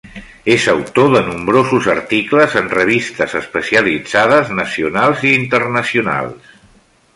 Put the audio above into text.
És autor de nombrosos articles en revistes especialitzades nacionals i internacionals.